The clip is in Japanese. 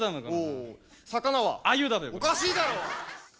おかしいだろ！